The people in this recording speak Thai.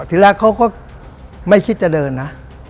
ทีแรกเขาก็ไม่คิดจะเดินนะ